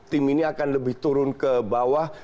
tim ini akan lebih turun ke bawah